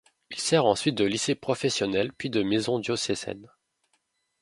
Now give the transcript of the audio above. Il sert ensuite de lycée professionnel puis de maison diocésaine.